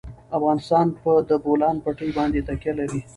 افغانستان په د بولان پټي باندې تکیه لري.